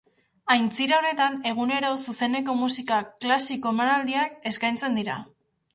Aintzira honetan egunero zuzeneko musika klasiko emanaldiak eskaintzen dira.